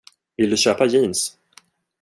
Vill du köpa jeans?